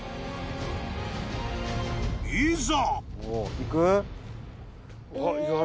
［いざ］